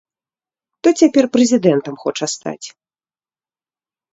То цяпер прэзідэнтам хоча стаць.